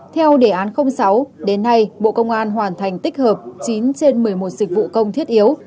theo đề án sáu đến nay bộ công an hoàn thành tích hợp chín trên một mươi một dịch vụ công thiết yếu